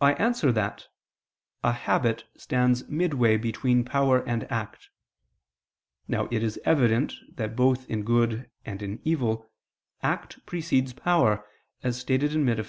I answer that, A habit stands midway between power and act. Now it is evident that both in good and in evil, act precedes power, as stated in _Metaph.